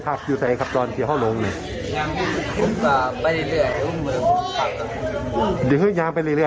อ๋อมาบอะไรแล้วที่ว่าเห็นหมู่ดีเป็นหมู่อย่างไงครับ